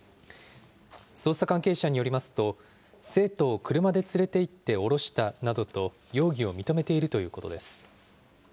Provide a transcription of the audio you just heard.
捜査関係者によりますと、生徒を車で連れていって降ろしたなどと、容疑を認めているということです。